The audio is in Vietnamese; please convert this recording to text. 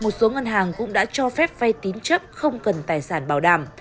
một số ngân hàng cũng đã cho phép vay tín chấp không cần tài sản bảo đảm